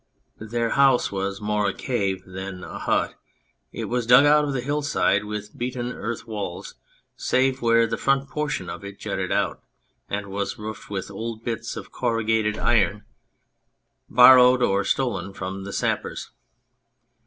Their house was more a cave than a hut ; it was dug out of the hillside, with beaten earth walls, save where the front portion of it jutted out, and was roofed with old bits of corrugated iron borrowed or stolen from the sappers.